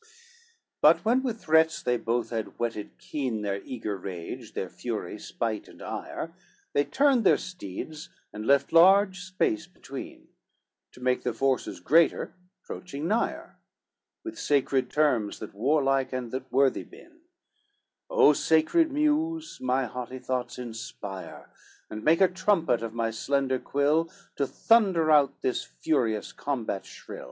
XXXIX But when with threats they both had whetted keen Their eager rage, their fury, spite and ire, They turned their steeds and left large space between To make their forces greater, 'proaching nigher, With terms that warlike and that worthy been: O sacred Muse, my haughty thoughts inspire, And make a trumpet of my slender quill To thunder out this furious combat shrill.